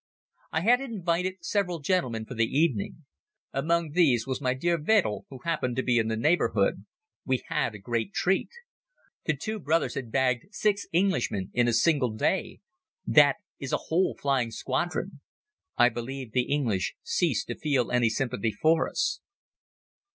I had invited several gentlemen for the evening. Among these was my dear Wedel who happened to be in the neighborhood. We had a great treat. The two brothers had bagged six Englishmen in a single day. That is a whole flying squadron. I believe the English cease to feel any sympathy for us.